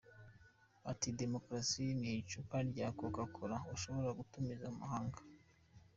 Ati “Demokarasi si nk’icupa rya Coca-Cola ushobora gutumiza mu mahanga.